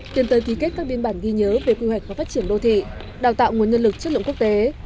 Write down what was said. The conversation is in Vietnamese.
tiến tới ký kết các biên bản ghi nhớ về quy hoạch và phát triển đô thị đào tạo nguồn nhân lực chất lượng quốc tế